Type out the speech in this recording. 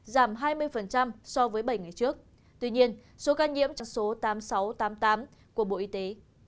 giảm hai mươi so với bảy ngày trước tuy nhiên số ca nhiễm số tám nghìn sáu trăm tám mươi tám của bộ y tế